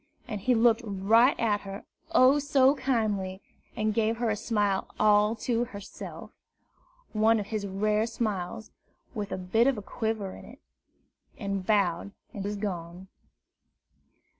And he looked right at her, oh, so kindly! and gave her a smile all to herself one of his rare smiles, with a bit of a quiver in it, and bowed, and was gone.